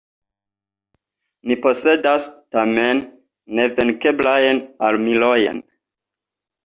Ni posedas, tamen, nevenkeblajn armilojn.